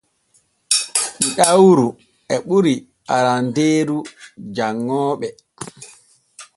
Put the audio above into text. Ɗiɗawru e ɓuri arandeeru janŋooɓe.